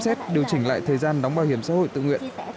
nếu như mình tham gia góp đóng là một triệu đồng